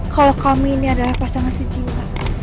kalo kami ini adalah pasangan sejiwa